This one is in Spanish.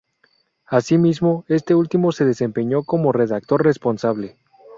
Asimismo este último se desempeñó como redactor responsable.